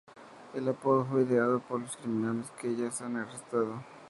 El apodo fue ideado por los criminales que ellas han arrestado.